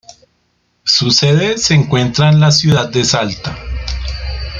Su cede se encuentra en la Ciudad de Salta.